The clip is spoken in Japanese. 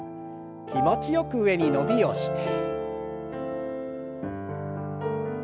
気持ちよく上に伸びをして。